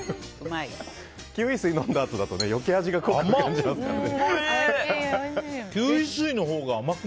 キウイ水飲んだあとだと余計、味が濃く感じますよね。